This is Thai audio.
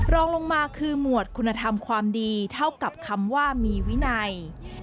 รองลงมาคือหมวดคุณธรรมความดีเท่ากับคำว่ามีวินัย